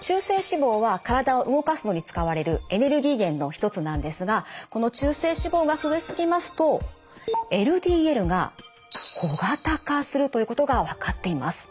中性脂肪は体を動かすのに使われるエネルギー源の一つなんですがこの中性脂肪が増えすぎますとＬＤＬが小型化するということが分かっています。